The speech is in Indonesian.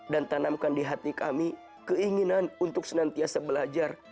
dan tanamkan di hati kami keinginan untuk senantiasa belajar